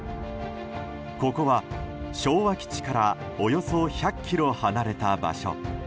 ここは昭和基地からおよそ１００ｋｍ離れた場所。